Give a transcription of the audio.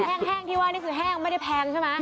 แห้งที่ว่านี่คือแห้งไม่ได้แพงใช่ไหม